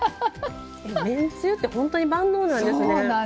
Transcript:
めんつゆって本当に万能なんですね。